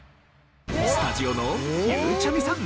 スタジオのゆうちゃみさん